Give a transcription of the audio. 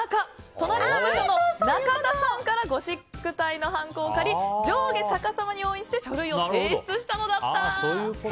隣の部署の中田さんからゴシック体のはんこを借り上下逆さまに押印して書類を提出したのだった。